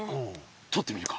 とってみるか。